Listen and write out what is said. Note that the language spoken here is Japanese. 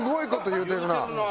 言うてるな！